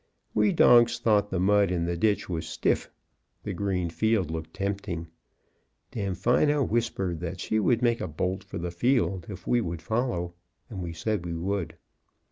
We donks thought the mud in the ditch was stiff; the green field looked tempting. Damfino whispered that she would make a bolt for the field, if we would follow; and we said we would.